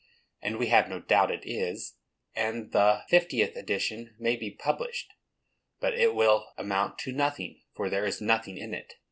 And we have no doubt it is; and the fiftieth edition may be published; but it will amount to nothing, for there is nothing in it.